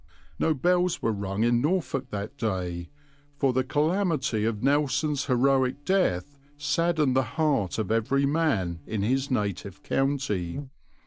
No bells were rung in Norfolk that day, for the calamity of Nelson's heroic death saddened the heart of every man in his native county.